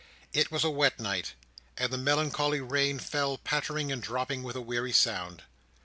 It was a wet night; and the melancholy rain fell pattering and dropping with a weary sound.